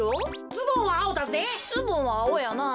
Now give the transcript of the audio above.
ズボンはあおやなあ。